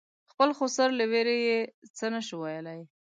خپل خسر له وېرې یې څه نه شو ویلای.